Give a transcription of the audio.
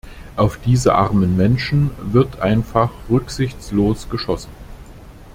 Auf diese armen Menschen wird einfach rücksichtslos geschossen.